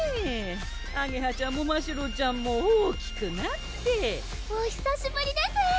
あげはちゃんもましろちゃんも大きくなっておひさしぶりです